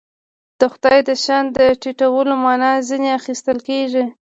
د خدای د شأن د ټیټولو معنا ځنې اخیستل کېږي.